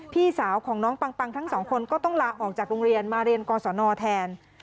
พี่สาวของน้องปังทั้งสองคนก็ต้องลาออกจากโรงเรียนมาเรียนกศนแทน